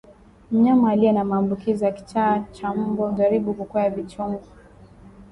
Mnyama aliye na maambukizi ya kichaa cha mbwa hujaribu kukwea vichuguu